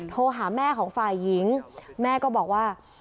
โทรหาแม่ของฝ่ายหญิงแม่ก็บอกว่า